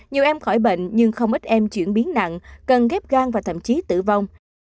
nhiều em khỏi bệnh nhưng không ít em chuyển biến nặng cần ghép gan và thậm chí tử vong